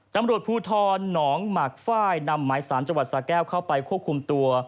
ตำรวจภูทรหนองหมากฝ้ายนำหมายสารจังหวัดสาแก้วเข้าไปควบคุมตัว